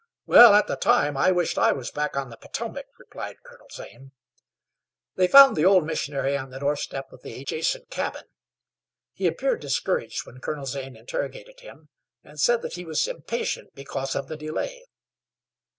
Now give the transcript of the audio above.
"Well, at the time I wished I was back on the Potomac," replied Colonel Zane. They found the old missionary on the doorstep of the adjacent cabin. He appeared discouraged when Colonel Zane interrogated him, and said that he was impatient because of the delay.